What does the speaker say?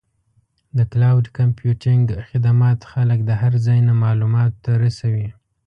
د کلاؤډ کمپیوټینګ خدمات خلک د هر ځای نه معلوماتو ته رسوي.